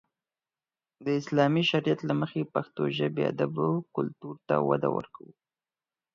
د اسلامي شريعت له مخې پښتو ژبې، ادب او کلتور ته وده ورکو.